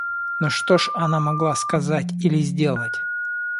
Но что ж она могла сказать или сделать?